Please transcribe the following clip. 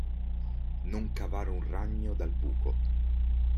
Non cavar un ragno dal buco.